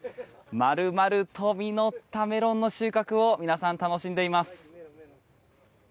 丸々と実ったメロンの収穫を皆さん楽しんでいます。